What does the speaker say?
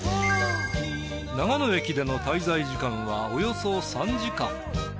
長野駅での滞在時間はおよそ３時間。